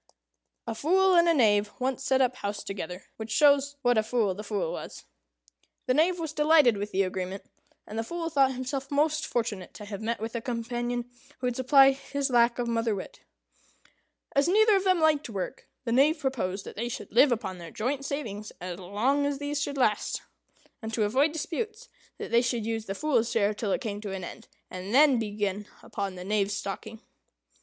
A Fool and a Knave once set up house together; which shows what a fool the Fool was. The Knave was delighted with the agreement; and the Fool thought himself most fortunate to have met with a companion who would supply his lack of mother wit. As neither of them liked work, the Knave proposed that they should live upon their joint savings as long as these should last; and, to avoid disputes, that they should use the Fool's share till it came to an end, and then begin upon the Knave's stocking.